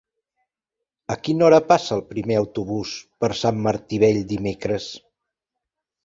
A quina hora passa el primer autobús per Sant Martí Vell dimecres?